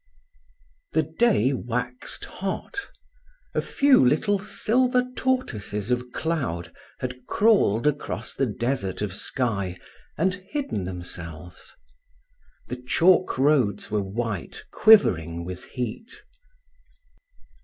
IX The day waxed hot. A few little silver tortoises of cloud had crawled across the desert of sky, and hidden themselves. The chalk roads were white, quivering with heat.